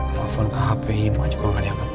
telepon ke hp ima juga gak diangkat